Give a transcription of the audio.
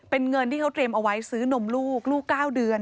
เป็นเงินที่เขาเตรียมเอาไว้ซื้อนมลูกลูก๙เดือน